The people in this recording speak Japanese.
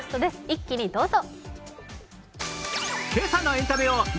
一気にどうぞ。